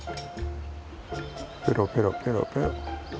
ペロペロペロペロ。